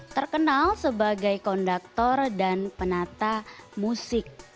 terkenal sebagai kondaktor dan penata musik